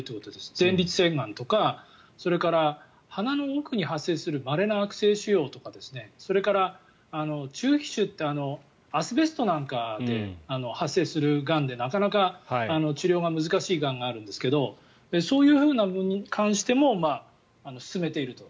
前立腺がんとか鼻の奥に発生するまれな悪性腫瘍とかそれから中皮腫ってアスベストなんかで発生するがんでなかなか治療が難しいがんがあるんですがそういうふうなものに関しても進めていると。